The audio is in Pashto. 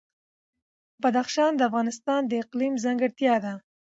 بدخشان د افغانستان د اقلیم ځانګړتیا ده.